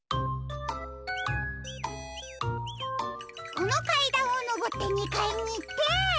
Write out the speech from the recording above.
このかいだんをのぼって２かいにいって。